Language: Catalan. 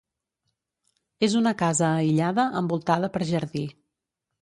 És una casa aïllada envoltada per jardí.